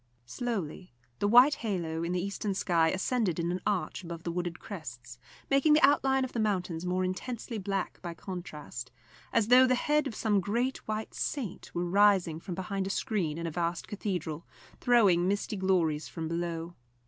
Slowly the white halo in the eastern sky ascended in an arch above the wooded crests, making the outline of the mountains more intensely black by contrast, as though the head of some great white saint were rising from behind a screen in a vast cathedral, throwing misty glories from below.